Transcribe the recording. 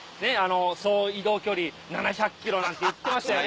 総移動距離７００キロなんて言ってましたよね。